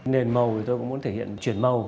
nền màu thì tôi cũng muốn thể hiện chuyển màu